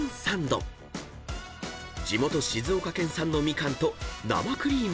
［地元静岡県産のみかんと生クリーム］